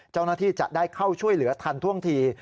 เจ้าหน้าที่จะได้เข้าช่วยเหลือทันท่วงที